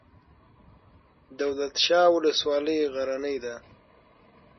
دولت شاه ولسوالۍ غرنۍ ده؟